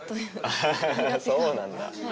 アハハハそうなんだ。